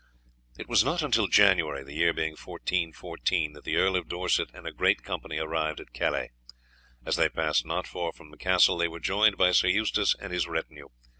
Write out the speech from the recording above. It was not until January, the year being 1414, that the Earl of Dorset and a great company arrived at Calais. As they passed not far from the castle they were joined by Sir Eustace and his retinue.